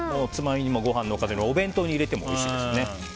つまみにも、ご飯のおかずにもお弁当に入れてもおいしいですね。